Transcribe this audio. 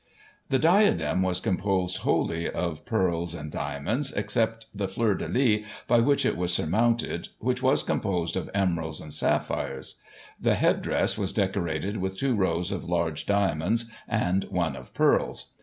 The diadem was composed wholly of pearls and diamonds, except the fleur de lys by which.it was surmounted, which was composed of emeralds and sapphires. The head dress was decorated with two rows of large diamonds and one of pearls.